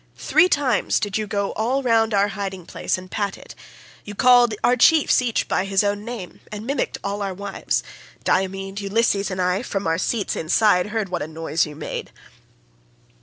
Three times did you go all round our hiding place and pat it; you called our chiefs each by his own name, and mimicked all our wives—Diomed, Ulysses, and I from our seats inside heard what a noise you made.